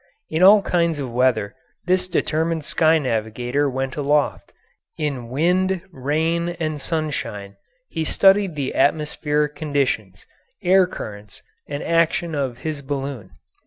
In all kinds of weather this determined sky navigator went aloft; in wind, rain, and sunshine he studied the atmospheric conditions, air currents, and the action of his balloon.